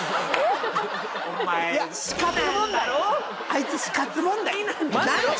あいつ死活問題！